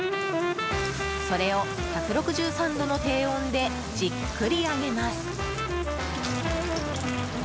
それを１６３度の低温でじっくり揚げます。